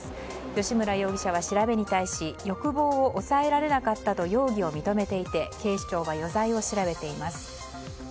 吉村容疑者は調べに対し欲望を抑えられなかったと容疑を認めていて警視庁は余罪を調べています。